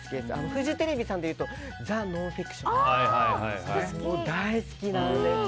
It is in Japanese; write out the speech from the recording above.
フジテレビさんでいうと「ザ・ノンフィクション」とか大好きなんです。